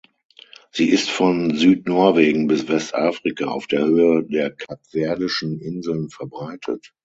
Sie ist von Südnorwegen bis Westafrika auf der Höhe der Kapverdischen Inseln verbreitet.